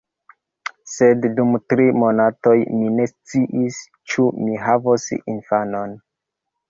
Sed dum tri monatoj mi ne sciis, ĉu mi havos infanon.